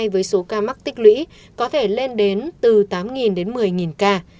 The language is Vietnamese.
với số ca mắc tích lũy có thể lên đến từ tám đến một mươi ca